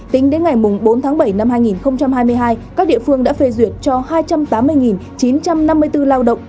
tính đến ngày bốn tháng bảy năm hai nghìn hai mươi hai các địa phương đã phê duyệt cho hai trăm tám mươi chín trăm năm mươi bốn lao động